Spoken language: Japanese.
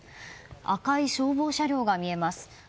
赤い消防車両が見えます。